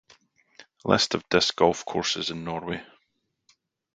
List of disc golf courses in Norway